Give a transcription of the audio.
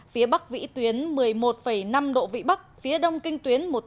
phía bắc vĩ tuyến một mươi một năm độ vĩ bắc phía đông kinh tuyến một trăm một mươi hai độ kinh đông